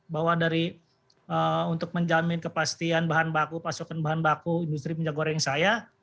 bahwa dari untuk menjamin kepastian bahan baku pasokan bahan baku industri minyak goreng saya